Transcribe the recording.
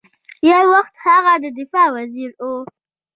یو وخت هغه د دفاع وزیر ؤ